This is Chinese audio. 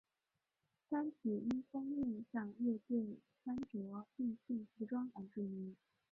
单曲因封面上乐队穿着异性服装而著名。